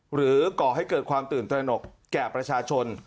หรือก่อให้เกิดความตื่นจนกแก่ประชาชน